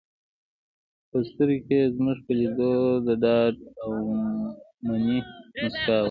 په سترګو کې یې زموږ په لیدو د ډاډ او مننې موسکا وه.